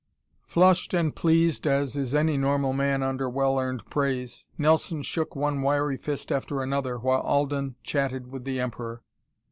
Flushed and pleased, as is any normal man under well earned praise, Nelson shook one wiry fist after another, while Alden chatted with the Emperor.